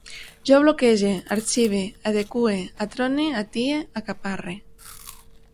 Jo bloquege, arxive, adeqüe, atrone, atie, acaparre